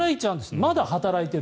まだ働いてる。